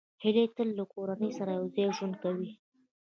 هیلۍ تل له کورنۍ سره یوځای ژوند کوي